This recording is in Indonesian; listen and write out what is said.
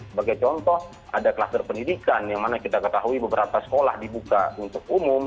sebagai contoh ada kluster pendidikan yang mana kita ketahui beberapa sekolah dibuka untuk umum